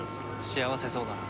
幸せそうだな。